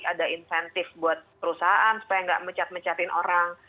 ada insentif buat perusahaan supaya nggak mencat mencatin orang